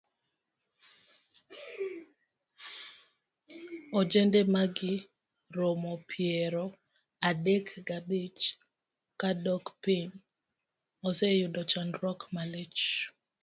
Ojende mahikgi romo piero adek gabich kadok piny oseyudo chandruok malich.